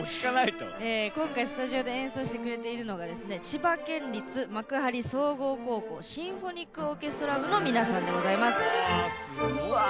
今回スタジオで演奏してくれているのが千葉県立幕張総合高校シンフォニックオーケストラ部の皆さんでございます。